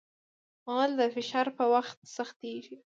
غول د فشار په وخت سختېږي.